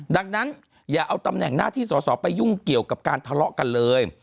ดังนั้นอย่าเอาตำแหน่งหน้าที่สอสอไปยุ่งเกี่ยวกับการทะเลาะกันเลย